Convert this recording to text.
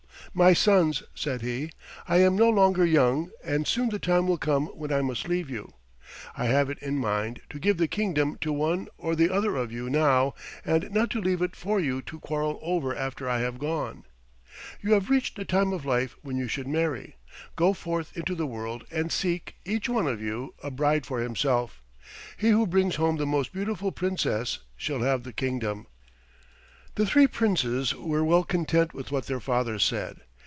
"My sons," said he, "I am no longer young, and soon the time will come when I must leave you. I have it in mind to give the kingdom to one or the other of you now and not to leave it for you to quarrel over after I have gone. You have reached a time of life when you should marry. Go forth into the world and seek, each one of you, a bride for himself. He who brings home the most beautiful Princess shall have the kingdom." The three Princes were well content with what their father said.